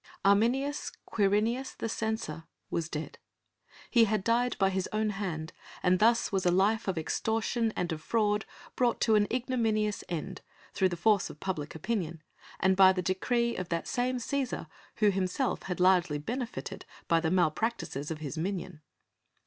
Arminius Quirinius, the censor, was dead. He had died by his own hand, and thus was a life of extortion and of fraud brought to an ignominious end through the force of public opinion, and by the decree of that same Cæsar who himself had largely benefited by the mal practices of his minion.